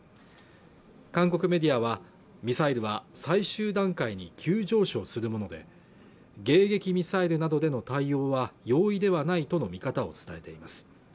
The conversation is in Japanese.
韓国メディアはミサイルは最終段階に急上昇するもので迎撃ミサイルなどでの対応は容易ではないとの見方を伝えています